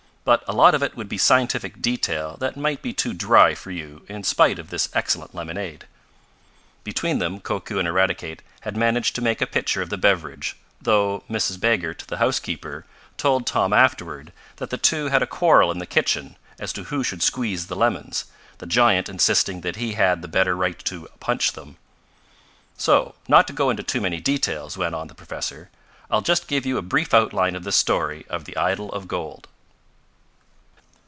But a lot of it would be scientific detail that might be too dry for you in spite of this excellent lemonade." Between them Koku and Eradicate had managed to make a pitcher of the beverage, though Mrs. Baggert, the housekeeper, told Tom afterward that the two had a quarrel in the kitchen as to who should squeeze the lemons, the giant insisting that he had the better right to "punch" them. "So, not to go into too many details," went on the professor, "I'll just give you a brief outline of this story of the idol of gold.